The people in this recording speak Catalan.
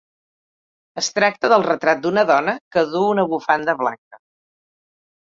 Es tracta del retrat d'una dona que duu una bufanda blanca.